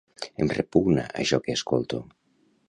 Em repugna això que escolto.